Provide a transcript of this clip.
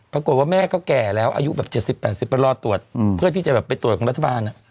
ปรากฏว่าแม่ก็แก่แล้วอายุแบบ๗๐๘๐ไปรอตรวจเพื่อที่จะแบบไปตรวจของรัฐบาล